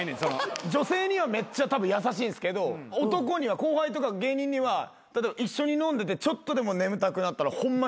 女性にはめっちゃたぶん優しいんですけど男には後輩とか芸人には一緒に飲んでてちょっとでも眠たくなったらホンマ